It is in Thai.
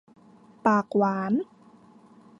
ปากหวาน